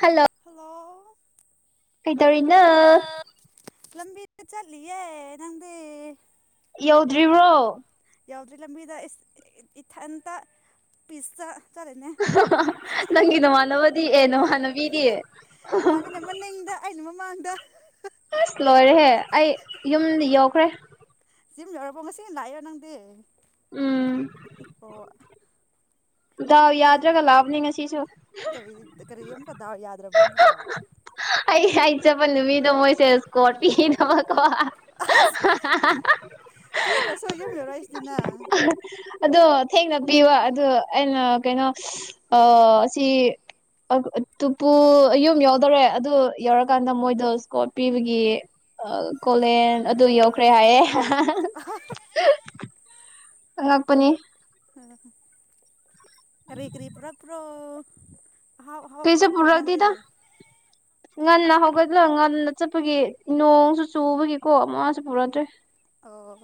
Hello hello ꯀꯩꯗꯧꯔꯤꯅꯣ ꯂꯝꯕꯤꯗ ꯆꯠꯂꯤꯌꯦ ꯅꯪꯗꯤ ꯌꯧꯗ꯭ꯔꯤꯕ꯭ꯔꯣ ꯌꯧꯗ꯭ꯔꯤ ꯂꯝꯕꯤꯗ ꯏ ꯏꯊꯟꯇ ꯄꯤꯁꯇ ꯆꯠꯂꯤꯅꯦ ꯅꯪꯒꯤ ꯅꯃꯥꯟꯅꯕꯗꯤ ꯑꯦ ꯅꯃꯥꯟꯅꯕꯤꯗꯤ ꯃꯥꯡꯗ ꯑꯁ ꯂꯣꯏꯔꯦꯍꯦ ꯑꯩ ꯌꯨꯝꯗ ꯌꯧꯈ꯭ꯔꯦ ꯖꯤꯝ ꯌꯧꯔꯕꯣ ꯉꯁꯤꯅ ꯂꯥꯛꯏꯔꯣ ꯅꯪꯗꯤ ꯎꯝ ꯑꯣ ꯗꯥꯎ ꯀꯔꯤ ꯌꯥꯗ꯭ꯔꯒ ꯂꯥꯛꯕꯅꯤ ꯉꯁꯤꯁꯨ ꯀꯔꯤ ꯀꯔꯤ ꯑꯃꯨꯛꯀ ꯗꯥꯎ ꯌꯥꯗ꯭ꯔꯕꯣ ꯑꯃꯨꯛꯀ ꯑꯩ ꯑꯩ ꯆꯠꯄ ꯅꯨꯃꯤꯠꯗ ꯃꯣꯏꯁꯦ ꯏꯁꯀꯣꯔ ꯄꯤꯗꯕ ꯑꯣ ꯄꯤꯗ꯭ꯔꯁꯨ ꯌꯨꯝ ꯌꯧꯔꯛꯏꯁꯤꯗꯤ ꯅꯪ ꯑꯗꯣ ꯊꯦꯡꯅ ꯄꯤꯕꯣ ꯑꯗꯣ ꯑꯩꯅ ꯀꯩꯅꯣ ꯑꯁꯤ ꯇꯨꯄꯨ ꯑꯌꯨꯝ ꯌꯥꯎꯗꯧꯔꯦ ꯑꯗꯨ ꯌꯧꯔꯀꯥꯟꯗ ꯃꯣꯏꯗꯤ ꯁꯀꯣꯔꯠ ꯄꯤꯕꯒꯤ ꯀꯣꯂꯦꯟ ꯑꯗꯨ ꯌꯧꯈ꯭ꯔꯦ ꯍꯥꯏꯌꯦ ꯍꯥꯍꯥꯍꯥ ꯑꯥꯉꯛꯄꯅꯤ ꯀꯔꯤ ꯀꯔꯤ ꯄꯨꯔꯛ ꯇ꯭ꯔꯣ ꯀꯩꯁꯨ ꯄꯨꯔꯛꯇꯦꯗ ꯉꯟꯅ ꯍꯧꯒꯠꯂ ꯉꯟꯅ ꯆꯠꯄꯒꯤ ꯅꯣꯡꯁꯨ ꯆꯨꯕꯒꯤꯀꯣ ꯃꯁꯨ ꯄꯨꯔꯛꯇ꯭ꯔꯦ ꯑꯣ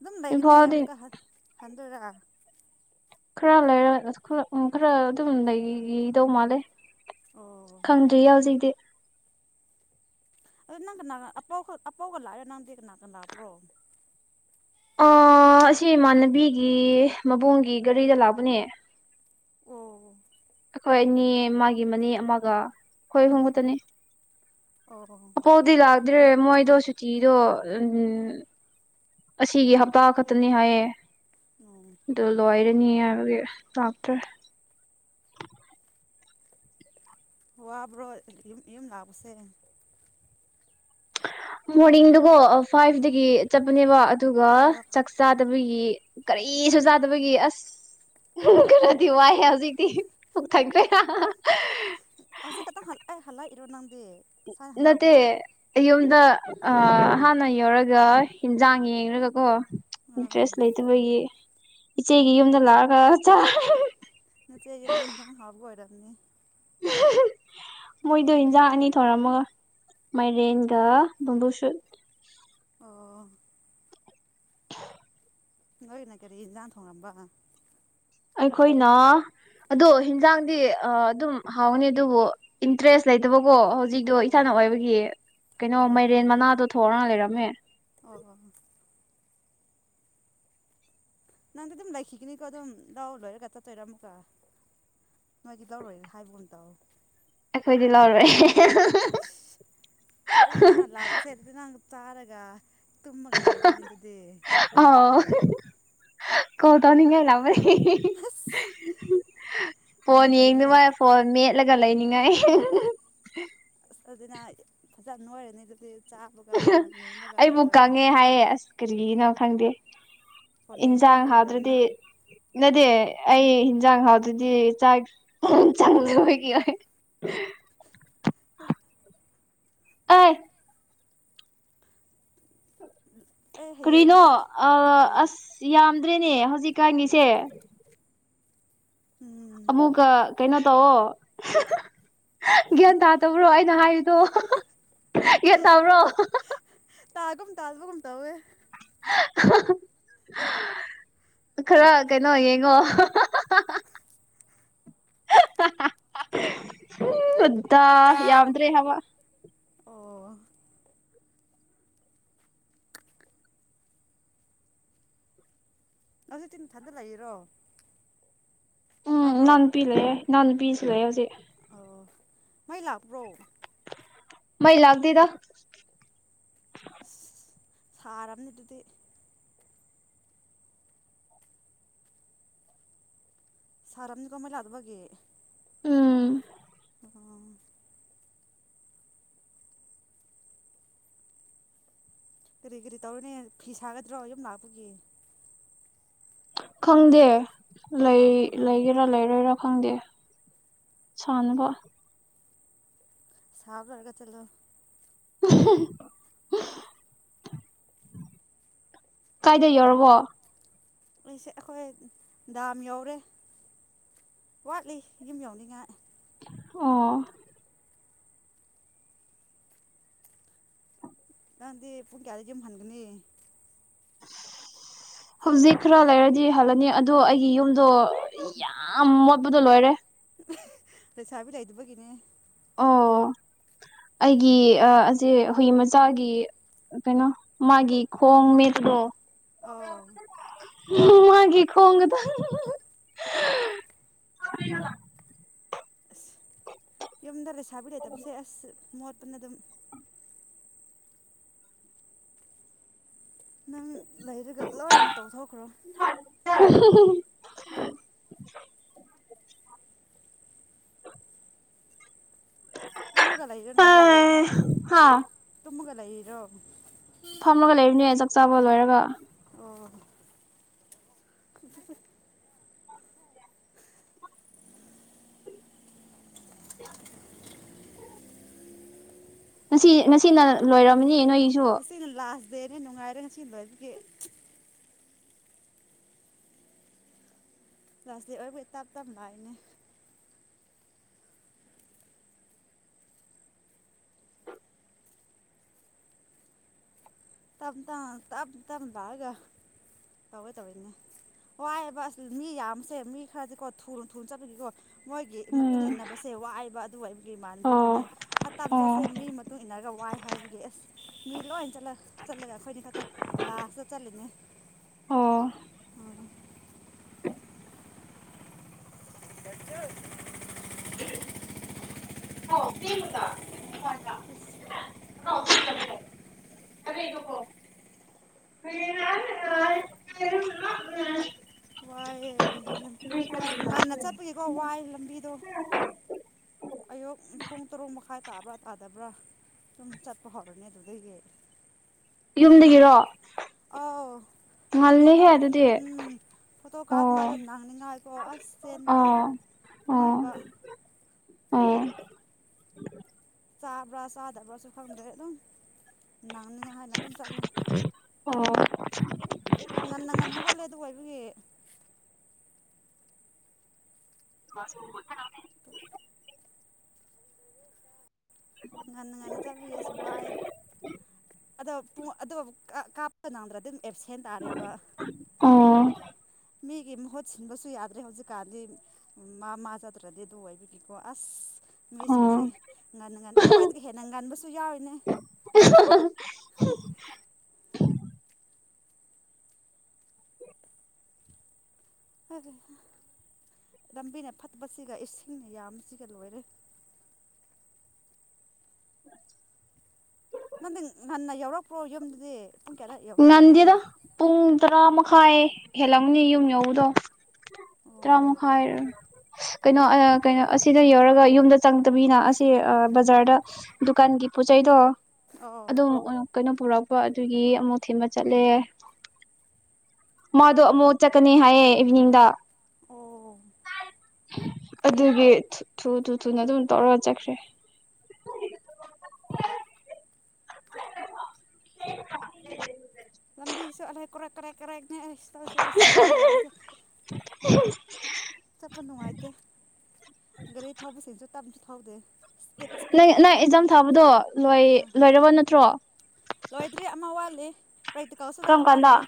ꯑꯗꯨꯝ ꯂꯩꯒꯅꯤ ꯏꯝꯐꯥꯜꯗꯤ ꯑꯃꯨꯛꯀ ꯍꯟ ꯊꯟꯗꯛꯔ [unintelligible] [unintelligible] ꯈꯔ ꯂꯩꯔ ꯈꯔ ꯎꯝ ꯈꯔ ꯑꯗꯨꯝ ꯂꯩꯒꯤꯗꯧ ꯃꯥꯜꯂꯦ ꯑꯣ ꯈꯪꯗ꯭ꯔꯤꯌꯦ ꯍꯧꯖꯤꯛꯇꯤ ꯑꯗꯨꯗ ꯅꯪ ꯀꯅꯥ ꯑꯄꯥꯎ ꯑꯄꯥꯎꯒ ꯂꯥꯛꯏꯔꯣ ꯅꯪꯗꯤ ꯀꯅꯥꯒ ꯂꯥꯛꯄ꯭ꯔꯣ ꯑꯁꯤ ꯏꯃꯥꯟꯅꯕꯤꯒꯤ ꯃꯕꯨꯡꯒꯤ ꯒꯥꯔꯤꯗ ꯂꯥꯛꯄꯅꯦ ꯑꯣ ꯑꯩꯈꯣꯏ ꯑꯅꯤ ꯃꯥꯒꯤ ꯃꯅꯦ ꯑꯃꯒ ꯑꯩꯈꯣꯏ ꯑꯍꯨꯝ ꯈꯇꯅꯤ ꯑꯣ ꯑꯄꯥꯎꯗꯤ ꯂꯥꯛꯗ꯭ꯔꯦ ꯃꯣꯏꯗꯣ ꯁꯨꯇꯤꯗꯣ ꯎꯝ ꯑꯁꯤꯒꯤ ꯍꯞꯇꯥ ꯈꯛꯇꯅꯤ ꯍꯥꯏꯌꯦ ꯎꯝ ꯑꯗꯨ ꯂꯣꯏꯔꯦ ꯅꯤ ꯍꯥꯢꯕꯒꯤ ꯂꯥꯛꯇꯔ꯭ꯦ ꯋꯥꯕ꯭ꯔꯣꯑꯦꯌꯨꯝ ꯂꯥꯛꯄꯁꯦ ꯃꯣꯔꯤꯟꯗꯨ ꯑꯣ ꯐꯥꯏꯚꯗꯒꯤ ꯎꯝ ꯆꯠꯄꯅꯦꯕ ꯑꯗꯨꯒ ꯑꯣ ꯆꯥꯛ ꯆꯥꯗꯕꯒꯤ ꯀꯔꯤꯁꯨ ꯆꯥꯗꯕꯒꯤ ꯑꯁ ꯈꯔꯗꯤ ꯋꯥꯏ ꯍꯦꯜ ꯍꯧꯖꯤꯛꯇꯤ ꯄꯨꯛ ꯊꯟꯀꯔꯦ ꯍꯥ ꯍꯥ ꯍꯧꯖꯤꯛ ꯈꯛꯇꯪ [unintelligible] ꯉꯁꯥꯏ ꯅꯥꯇꯦ ꯍꯜꯂꯛꯑꯕꯣ ꯑꯩ ꯌꯣꯝꯗ ꯑ ꯍꯥꯟꯅ ꯌꯧꯔꯒ ꯌꯦꯟꯖꯥꯡ ꯌꯦꯡꯒꯀꯣ ꯑꯣ ꯗꯔꯦꯁ ꯂꯩꯇꯕꯒꯤ ꯏꯆꯦꯒꯤ ꯌꯝꯗ ꯂꯛꯂꯥꯒ ꯆꯥ ꯅꯆꯦ ꯌꯨꯝꯅꯤ ꯍꯤꯟꯖꯡ ꯍꯥꯑꯣꯕꯥ ꯑꯣꯏꯔꯝꯅꯤ ꯃꯣꯏꯗꯣ ꯏꯟꯖꯥꯡ ꯑꯅꯤ ꯊꯧꯔꯝꯃꯒ ꯃꯥꯏꯔꯦꯟꯒ ꯨꯝꯕꯨ ꯁꯨꯠ ꯑꯣ ꯅꯣꯅ ꯀꯔꯤ ꯏꯥꯟ ꯊꯣꯡꯉꯝꯕ ꯑꯩꯈꯣꯏꯅ ꯑꯗꯣ ꯍꯤꯟꯖꯥꯡꯗꯤ ꯑꯗꯨꯝ ꯍꯥꯎꯅꯤ ꯑꯗꯨꯕꯨ ꯏꯟꯇ꯭ꯔꯦꯁ ꯂꯩꯇꯕ ꯀꯦ ꯍꯧꯖꯤꯛꯇꯣ ꯏꯁꯥꯅ ꯑꯣ ꯑꯣꯏꯕꯒꯤ ꯀꯩꯅꯣ ꯑꯣ ꯃꯥꯏꯔꯦꯟ ꯃꯅꯥꯗꯣ ꯇꯣ ꯊꯣꯔ ꯂꯩꯔꯝꯃꯦ ꯑꯣ ꯅꯡꯗꯤ ꯑꯗꯨꯝ ꯂꯩꯈꯤꯒꯅꯤꯀꯣ ꯑꯗꯨꯝ ꯂꯧ ꯂꯣꯏꯔꯒ ꯆꯠꯇꯣꯏꯔꯥ ꯑꯃꯨꯛꯀ ꯅꯣꯏꯗꯤ ꯂꯧꯔꯣꯏꯔꯦ ꯍꯥꯏꯕꯒꯨꯝ ꯇꯧꯋ ꯑꯩꯗꯤ ꯂꯥꯎꯔꯣꯏ ꯑꯗꯨꯗꯤ ꯅꯡ ꯂꯥꯛꯄꯥꯁꯦ ꯑꯗꯨꯗꯤ ꯅꯡ ꯇꯥꯔꯒ ꯇꯃꯒꯂ ꯊꯨꯃꯒꯂꯩꯗꯣꯏꯗꯨꯗꯨꯗꯤ ꯑꯥꯎ ꯀꯣꯜ ꯇꯧꯅꯣꯡ ꯂꯥꯑꯣꯔꯛ ꯑꯦ ꯑꯁ ꯌꯥꯝ ꯐꯣꯟ ꯌꯦꯡ ꯐꯩꯅꯦ ꯃꯥ ꯐꯣꯟ ꯃꯦꯠꯂꯒ ꯂꯩꯃꯤꯅꯩ ꯑꯗꯨꯅꯤ ꯍꯁꯦ ꯐꯖꯅ ꯅꯣꯏꯔꯅꯤ ꯑꯗꯨꯗꯤ ꯆꯥꯕꯒ ꯐꯣꯟ ꯌꯦꯡꯕꯒ ꯑꯗꯨ ꯑꯩꯕꯨ ꯇꯧꯔꯗꯤ ꯀꯥꯉꯦ ꯍꯥꯏꯌꯦ ꯑꯁ ꯀꯔꯤꯅꯣ ꯈꯡꯗꯦ ꯐꯣꯟ ꯏꯟꯖꯥꯡꯥꯡ ꯌꯦꯡꯃꯟꯕꯒꯤ ꯑꯣꯏꯔꯝꯅꯤ ꯍꯥꯎꯗ꯭ꯔꯗꯤ ꯅꯗꯦ ꯑꯩ ꯍꯤꯟꯖꯥꯡ ꯍꯥꯎꯗ꯭ꯔ ꯑꯗꯨꯗꯤ ꯆꯥꯛ ꯆꯡꯗ ꯑꯣꯏꯒꯤ ꯑꯣꯏ ꯎ [inaudible] ꯑꯏ ꯑꯦ ꯀ꯭ꯔꯤꯅꯣ ꯍꯌꯦꯡꯗꯤ ꯑ ꯀꯔꯤ ꯑꯁ ꯌꯥꯝ ꯐꯔꯦꯅꯦ ꯍꯧꯖꯤꯛꯀꯥꯟꯒꯤꯁꯦ ꯎꯝ ꯑꯃꯨꯛꯀ ꯀꯩꯅꯣ ꯇꯧꯑꯣꯣ ꯒ꯭ꯌꯥꯟ ꯇꯥꯗꯕ꯭ꯔꯣ ꯑꯩꯅ ꯍꯥꯏꯔꯤꯗꯣ ꯒ꯭ꯌꯥꯟ ꯇꯥꯕ꯭ꯔꯣ ꯇꯥꯒꯨꯃ ꯇꯥꯗꯕꯒꯨꯝ ꯇꯎꯋꯦ ꯈꯔ ꯀꯩꯅꯣ ꯌꯦꯡꯉꯣ ꯑ ꯑꯣ ꯇ ꯌꯥꯎꯗ꯭ꯔꯦ ꯍꯥꯏꯋꯥ ꯑꯣ ꯅꯁꯨ ꯇꯤꯟ ꯊꯥꯗꯂꯛꯏꯔꯣ ꯎꯝ ꯅꯟ ꯄ ꯂꯩꯦ ꯅꯟ ꯐꯕꯤꯔꯤꯖ ꯂꯩꯑꯣꯁꯦ ꯑꯣ ꯃꯥꯏ ꯂꯥꯛꯄ꯭ꯔꯣ ꯃ ꯂꯒꯗꯗ ꯁꯥꯔꯝꯅꯤ ꯑꯗꯨꯗꯤ ꯁꯔꯝꯅꯤ ꯀꯣꯃꯦꯂ ꯑꯗꯨꯗꯕꯒꯤꯦ ꯎꯝ ꯀꯔꯤ ꯀꯔꯤ ꯇꯧꯔꯤꯅꯦ ꯐꯤ ꯁꯥꯒꯗ꯭ꯔꯣ ꯌꯨꯝ ꯂꯥꯛꯄꯒꯤ ꯈꯪꯗꯦ ꯂꯩ ꯁꯥꯎ ꯍꯥꯏꯕ꯭ꯔꯣ ꯂꯩꯒꯦꯔꯥ ꯂꯩꯔꯣꯏꯔꯥ ꯐꯪꯗꯦ ꯁꯥꯟꯅꯕ ꯁꯥꯥꯎ ꯂꯔꯒ ꯆꯂꯣ ꯀꯥꯏꯗ ꯌꯧꯔꯕꯣ ꯂꯩꯁꯦ ꯑꯩꯈꯣꯏ ꯗꯥꯝ ꯌꯥꯎꯔꯦ ꯋꯥꯠꯂꯤ ꯌꯨꯝ ꯌꯧꯅꯤꯡꯉꯥꯏꯦ ꯑꯣ ꯅꯪꯗꯤ ꯄꯨꯡ ꯀꯌꯥꯗ ꯌꯨꯝ ꯍꯟꯒꯅꯤ ꯍꯧꯖꯤꯛ ꯈꯔ ꯂꯩꯔꯗꯤ ꯍꯜꯂꯅꯤ ꯑꯗꯣ ꯑꯩꯒꯤ ꯌꯨꯝꯗꯣ ꯌꯥꯝꯃ ꯗꯣ ꯂꯣꯏꯔꯦ ꯂꯩꯁꯥꯕꯤ ꯂꯩꯗꯨꯕꯒꯤꯅꯦ ꯑꯣ ꯑꯩꯒꯤ ꯑꯁꯦ ꯍꯨꯏ ꯃꯆꯥꯒꯤ ꯀꯩꯅꯣ ꯃꯥꯒꯤ ꯈꯣꯡ ꯃꯦꯠꯇꯣ ꯑ ꯃꯥꯒꯤꯦ ꯈꯣꯡꯒꯗ ꯑ ꯌꯨꯝꯗ ꯂꯩ ꯁꯥꯕꯤ ꯂꯩ ꯇꯁꯦ ꯑꯁ ꯃꯣ ꯄꯨꯅ ꯑꯗꯨꯝ ꯅꯪ ꯂꯩꯔꯒ ꯂꯣꯏꯅ ꯇꯧꯊꯣꯛꯈ꯭ꯔꯣ [inaudible] ꯇꯨꯝꯃꯒ ꯂꯩ ꯂꯩꯔꯅꯥꯗ ꯍꯥ ꯇꯨꯝꯃꯒ ꯂꯩꯔꯣ ꯐꯝꯃꯒ ꯂꯩꯔꯤꯅꯦ ꯆꯥꯛ ꯆꯥꯕ ꯂꯣꯏꯔꯒ ꯑꯣ [inaudible] ꯉꯁꯤ ꯉꯁꯤꯅ ꯂꯣꯏꯔꯝꯅꯤ ꯁꯤꯅꯜꯂꯥ ꯗꯦꯅꯦ ꯅꯨꯅꯨꯡ ꯉꯥꯏꯔ ꯉ ꯆꯦ ꯂꯁꯤꯇ ꯑꯣꯏꯕꯨꯣꯏ ꯇꯞ ꯇꯞ ꯂꯥꯛꯏꯅꯦ ꯇꯞ ꯇꯞ ꯇꯞ ꯂꯥꯛꯑꯒ ꯇꯧꯋꯦ ꯇꯧꯋꯤꯅꯦ ꯋꯥꯏꯑꯦꯕꯁ ꯃꯤ ꯌꯥꯝꯁꯦ ꯃꯤ ꯈꯔꯗꯤꯀꯣ ꯊꯨꯅ ꯊꯨꯅ ꯆꯠꯄꯒꯤꯀꯣ ꯃꯣꯏꯒꯤ ꯃꯇꯨꯡ ꯎꯝ ꯏꯟꯅꯕꯁꯦ ꯋꯥꯏꯕ ꯒꯤ ꯃꯥꯟꯗꯤ ꯑꯩꯈꯣꯏꯅꯤ ꯑꯣ ꯑꯇꯥ ꯑꯣ ꯃꯆꯥꯠꯁꯦ ꯃꯤ ꯃꯇꯨꯡ ꯏꯟꯅꯔꯒ ꯋꯥꯏ ꯍꯥꯏꯕꯒꯤ ꯑꯁ ꯃꯤ ꯂꯣꯏ ꯆꯠꯂ ꯆꯠꯂꯒ ꯑꯩꯈꯣꯏꯅꯤ ꯈꯛꯇꯪ ꯂꯥꯁꯇ ꯆꯠꯂꯤꯅꯦ ꯑꯣ ꯎꯝ ꯑꯁ ꯋꯥꯏꯌꯦ ꯑꯁ ꯉꯟꯅ ꯆꯠꯄꯒꯤꯀꯣ ꯋꯥꯏ ꯂꯝꯕꯤꯗꯣ ꯑꯌꯨꯛ ꯄꯨꯡ ꯇꯔꯨꯛ ꯃꯈꯥꯏ ꯇꯥꯕ꯭ꯔꯥ ꯇꯥꯗꯕ꯭ꯔꯥ ꯁꯨꯝ ꯆꯠꯄ ꯍꯧꯔꯅꯤ ꯑꯗꯨꯗꯒꯤ ꯎꯝ ꯌꯨꯝꯗꯒꯤꯔꯣ ꯑꯥꯎ ꯐꯣꯇꯣ ꯉꯜꯂꯦꯍꯦ ꯀꯥꯞ ꯑꯗꯨꯗꯤ ꯎꯝ ꯐꯣꯇꯣ ꯑꯣ ꯀꯥꯞꯃꯤꯉꯩꯗ ꯅꯅꯤꯡꯉꯥꯏꯀꯣ ꯑꯁ ꯆꯦꯟꯕꯗꯣ ꯑꯣ ꯑꯣ ꯍꯥꯏꯕ ꯑꯣ ꯆꯥꯕ꯭ꯔꯥ ꯆꯥꯗꯕ꯭ꯔꯥꯁꯨ ꯈꯪꯗ꯭ꯔꯦ ꯑꯗꯨꯝ ꯅꯪꯅꯤꯉꯥꯏ ꯍꯥꯏꯅ ꯆꯠꯂꯦ ꯉꯟꯅ ꯉꯟꯅ ꯍꯧꯒꯠꯂꯦ ꯑꯗꯨꯒ ꯑꯩꯗꯤ ꯉꯟꯅ ꯉꯟꯅ ꯆꯠꯂꯒꯦꯁꯨ ꯋꯥꯏ ꯑꯗꯣ ꯑꯗꯨ ꯀꯥꯞꯄ ꯅꯪꯗ꯭ꯔꯗꯤ ꯑꯦꯞꯁꯦꯟ ꯇꯥꯔꯤꯕ ꯑꯣ ꯃꯤꯒꯤ ꯃꯍꯨꯠ ꯁꯤꯟꯕꯁꯨ ꯌꯥꯗ꯭ꯔꯦ ꯍꯧꯖꯤꯛ ꯀꯥꯟꯗꯤ ꯃꯥ ꯃꯥ ꯆꯠꯇ꯭ꯔꯗꯤ ꯑꯗꯨ ꯂꯣꯏꯕꯤꯅꯤꯀꯣ ꯑꯁ ꯑꯣ ꯃꯤꯁꯤꯡꯁꯦ ꯉꯟꯅ ꯉꯟꯅ ꯑꯩꯈ꯭ꯋꯥꯏꯗꯒꯤ ꯍꯦꯟꯅ ꯉꯟꯕꯁꯨ ꯌꯥꯎꯏꯅꯦ ꯂꯝꯕꯤꯅ ꯐꯠꯕꯁꯤꯒ ꯏꯁꯤꯡꯅ ꯌꯥꯝꯕꯁꯤꯒ ꯂꯣꯏꯔꯦ ꯅꯪꯗꯤ ꯉꯟꯅ ꯌꯎꯔꯛꯄ꯭ꯔꯣ ꯌꯨꯝꯗꯗꯤ ꯄꯨꯡ ꯀꯌꯥꯗ ꯌꯧꯔꯛꯀꯦ ꯅꯪꯗꯤ ꯉꯟꯗꯦꯗ ꯄꯨꯡ ꯇꯔꯥ ꯃꯈꯥꯏ ꯍꯦꯜꯂꯝꯅꯤ ꯌꯨꯝ ꯌꯧꯕꯗꯣ ꯑꯣ ꯇꯔꯥꯃꯈꯥꯏ ꯀꯩꯅꯣ ꯀꯩꯅꯣ ꯑꯁꯤꯗ ꯌꯧꯔꯒ ꯌꯨꯝꯗ ꯆꯪꯗꯕꯤꯅꯤꯅ ꯑꯁꯤ ꯕꯖꯥꯔꯗ ꯗꯨꯀꯥꯟꯒꯤ ꯄꯣꯠꯆꯩꯗꯣ ꯑꯣ ꯑꯝ ꯀꯩꯅꯣ ꯄꯨꯔꯛ ꯀꯣ ꯑꯗꯨꯒꯤ ꯑꯃꯨꯛ ꯊꯤꯟꯕ ꯆꯠꯂꯦ ꯃꯗꯣ ꯑꯃꯨꯛ ꯆꯠꯀꯅꯤ ꯍꯥꯏꯌꯦ ꯏꯚꯤꯅꯤꯡꯗ ꯑꯣ ꯑꯗꯨꯒꯤ ꯊꯨ ꯊꯨ ꯊꯨꯅ ꯑꯗꯨꯝ ꯇꯧꯔꯒ ꯆꯠꯈ꯭ꯔꯦ ꯂꯝꯕꯤꯁꯨ ꯑꯔꯩ ꯀꯔꯦꯛ ꯀꯔꯦꯛ ꯅꯦ ꯑꯩ ꯏꯁꯤꯡꯒ ꯌꯥꯎꯗꯦ ꯎ ꯆꯠꯄ ꯅꯨꯡꯉꯥꯏꯇꯦ ꯒꯥꯔꯤ ꯊꯧꯕꯁꯤꯡꯁꯨ ꯇꯞꯁꯨ ꯊꯧꯗꯦ ꯏꯁꯄꯤꯠ ꯅꯪ ꯏꯁꯄꯤꯠꯇꯅꯦ ꯅꯪ ꯊꯧꯔꯤꯁꯦ ꯑꯦꯛꯖꯥꯝ ꯊꯥꯕꯗꯣ ꯂꯣꯏ ꯑꯥ ꯂꯣꯏꯔꯕ ꯅꯠꯇ꯭ꯔꯣ ꯂꯣꯏꯗ꯭ꯔꯤ ꯑꯃ ꯋꯥꯠꯂꯤ ꯄ꯭ꯔꯦꯛꯇꯤꯀꯦꯜꯁꯨꯒ ꯀꯔꯝ ꯀꯥꯟꯗ ꯑꯋꯥꯠꯂꯤ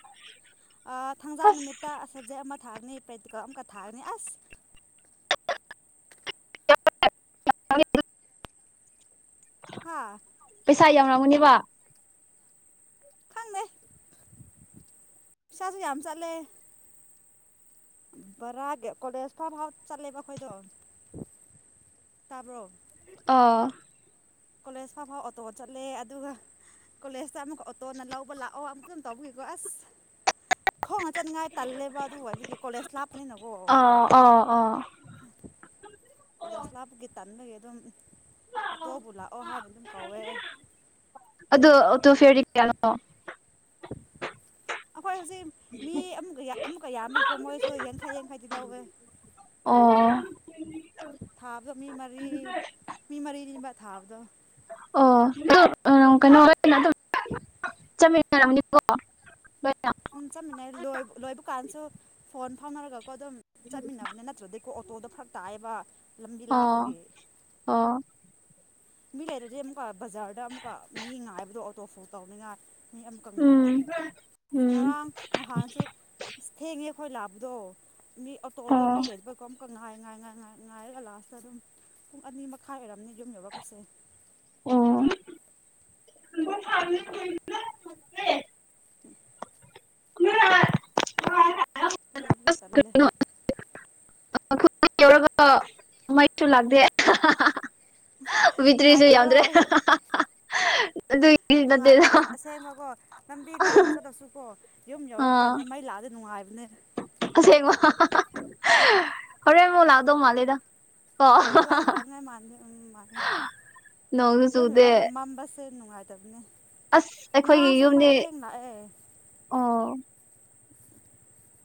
ꯊꯥꯡꯖꯥ ꯑꯁ ꯅꯨꯃꯤꯠꯇ ꯁꯕꯖꯦꯛ ꯑꯃ ꯊꯥꯅꯤ ꯄ꯭ꯔꯦꯇꯤꯀꯜ ꯑꯃꯒ ꯊꯥꯒꯅꯤ ꯑꯁ [inaudible] ꯍꯥ ꯏꯁꯥ ꯌꯥꯎꯔꯝꯒꯅꯤꯕ ꯈꯪꯗꯦ ꯄꯩꯁꯥꯁꯨ ꯌꯥꯝ ꯆꯠꯂꯦ ꯕꯔꯥꯒ ꯀꯣꯂꯦꯖ ꯐꯥꯎ ꯐꯥꯎ ꯆꯠꯂꯦꯕ ꯑꯩꯈꯣꯏꯗꯣ ꯇꯥꯕ꯭ꯔꯣ ꯑꯥ ꯀꯣꯂꯦꯖ ꯐꯥꯎ ꯐꯥꯎ ꯑꯣꯇꯣ ꯆꯠꯂꯦ ꯑꯗꯨꯒ ꯀꯣꯂꯦꯖꯇ ꯑꯃꯨꯛ ꯑꯣꯇꯣꯅ ꯂꯧꯕ ꯂꯥꯛꯑꯣ ꯑꯃꯨꯛꯇ ꯑꯗꯨꯝ ꯇꯧꯕꯒꯤꯀꯣ ꯑꯁ ꯈꯣꯡꯅ ꯆꯠꯅꯤꯡꯉꯥꯏ ꯇꯜꯂꯦꯕ ꯑꯗꯨ ꯍꯥꯏꯕꯒꯤ ꯀꯣꯂꯦꯖ ꯂꯥꯞꯄꯅꯤꯅꯀꯣ ꯑꯥ ꯑꯥ ꯑꯥ ꯀꯣꯂꯦꯖ ꯂꯥꯞꯄꯒꯤ ꯇꯟꯕꯒꯤ ꯑꯗꯨꯝ ꯇꯣꯕꯨꯂ [unintelligible] ꯑꯗꯣ ꯑꯣꯇꯣ ꯐꯦꯌꯔꯗꯤ ꯀꯌꯅꯣ ꯑ [unintelligible] ꯑꯩꯈꯣꯏ ꯍꯧꯖꯤꯛ ꯃꯤ ꯑꯃ ꯑꯃꯨꯛꯀ ꯌꯥꯝꯕꯒꯤꯀꯣ ꯃꯣꯏꯁꯨ ꯌꯥꯡꯈꯩ ꯌꯥꯡꯈꯩꯗꯤ ꯂꯧꯋꯦ ꯑꯣ ꯊꯥꯕꯗ ꯃꯤ ꯃꯔꯤ ꯃꯤ ꯃꯔꯤ ꯃꯤ ꯃꯔꯤ ꯊꯥꯕꯗ ꯑꯣ ꯀꯩꯅꯣ ꯆꯃꯤ ꯅꯤꯀꯣ [inaudible] ꯎꯝ ꯆꯞ ꯃꯥꯟꯅꯩ ꯂꯣꯏ ꯂꯣꯏꯕ ꯀꯥꯟꯁꯨ ꯐꯣꯟ ꯐꯥꯎꯅꯔꯒ ꯀꯣ ꯑꯗꯨꯝ ꯆꯠꯃꯤꯟꯅꯕꯅꯦ ꯅꯠꯇ꯭ꯔꯗꯤꯀꯣ ꯑꯣꯇꯣꯗꯣ ꯐꯔꯛ ꯇꯥꯛꯑꯦꯕ ꯂꯝꯕꯤ ꯑꯣ ꯂꯥꯞꯄꯒꯤ ꯑꯣ ꯃꯤ ꯂꯩꯔꯗꯤ ꯑꯃꯨꯛꯀ ꯕꯖꯥꯔꯗ ꯑꯃꯨꯛꯀ ꯃꯤ ꯉꯥꯏꯕꯗꯣ ꯑꯣꯇꯣꯐꯨꯜ ꯇꯧꯅꯤꯉꯥꯏ ꯃꯤ ꯑꯃꯀꯛ ꯉꯥꯏ ꯎꯝ ꯎꯝ ꯉꯔꯥꯡ ꯅꯍꯥꯟꯁꯨ ꯑꯁ ꯊꯦꯡꯉꯦ ꯍꯣꯏ ꯂꯥꯕꯗꯣ ꯃꯤ ꯑꯣꯇꯣꯗꯣ ꯑꯣ ꯃꯤ ꯂꯩꯕꯔ꯭ꯒ ꯀꯃꯨꯛꯀ ꯉꯥꯏ ꯉꯥꯏ ꯉꯥꯏ ꯉꯥꯏ ꯉꯥꯏꯔꯒ ꯂꯥꯁꯇ ꯑꯗꯨꯝ ꯄꯨꯡ ꯑꯅꯤ ꯃꯈꯥꯏ ꯑꯣꯏꯔꯝꯅꯤ ꯌꯨꯝ ꯌꯧꯔꯛꯄꯗꯣ ꯑꯁꯦ ꯑꯣ ꯑ [inaudible] [unintelligible] ꯍꯣꯏꯕꯒꯤ ꯑꯁ ꯇꯜꯂꯦ ꯌꯨꯝ ꯌꯧꯔꯒ ꯃꯩꯁꯨ ꯂꯥꯛꯗꯦ ꯕꯦꯠꯇꯔꯤꯁꯨ ꯌꯥꯎꯗ꯭ꯔꯦ ꯅꯨꯡꯉꯥꯏꯗ ꯑꯁ ꯑꯁꯦꯡꯕꯀꯣ ꯂꯝꯕꯤ ꯂꯥꯞꯅ ꯆꯠꯂꯁꯨꯀꯣ ꯌꯨꯝ ꯌꯧꯔ ꯑꯥ ꯀꯥꯟꯗ ꯃꯩ ꯂꯥꯛꯑꯗꯤ ꯅꯨꯡꯉꯥꯏꯕ ꯑꯁꯦꯡꯕ ꯍꯨꯔꯦꯟ ꯃꯨꯛ ꯂꯥꯎꯗꯧ ꯃꯂꯦꯗ ꯑꯣ ꯂꯥꯅꯤ ꯂꯥ ꯃꯥꯅꯤ ꯅꯣꯡꯁꯨ ꯌꯨꯝ ꯆꯨꯗꯦ ꯌꯧꯔꯒ ꯃꯝꯕꯁꯦ ꯁꯤ ꯅꯨꯡꯉꯥꯏꯇꯕꯅꯦ ꯑꯁ ꯑꯩꯈꯣꯏꯒꯤ ꯉꯔꯥꯡꯁꯨ ꯌꯨꯝꯗꯤ ꯃꯩ ꯊꯦꯡ ꯂꯥꯛꯑꯦ ꯑꯣ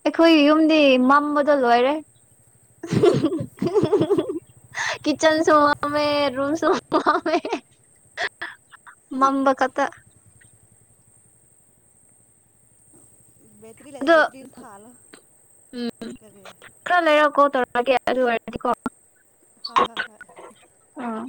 ꯑꯩꯈꯣꯏ ꯌꯨꯝꯗꯤ ꯃꯝꯕꯗ ꯂꯣꯏꯔꯦ꯫ [unintelligible] ꯀꯤꯆꯟ [unintelligible] ꯃꯝꯃꯦ ꯃꯥꯝꯕ ꯈꯛꯇꯥ ꯕꯦꯇꯔꯤ ꯂꯩ ꯑꯗꯣ ꯕꯦꯇꯔꯤꯅꯥ ꯊꯥꯜꯂꯣ ꯒꯤ ꯑꯗꯨ ꯑꯣꯏꯔꯗꯤ ꯀꯣ ꯍꯣꯏ ꯍꯣꯏ ꯍꯣꯏ꯫ ꯑꯥ